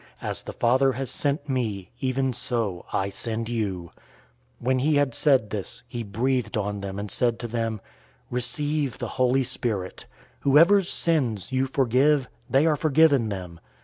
As the Father has sent me, even so I send you." 020:022 When he had said this, he breathed on them, and said to them, "Receive the Holy Spirit! 020:023 Whoever's sins you forgive, they are forgiven them.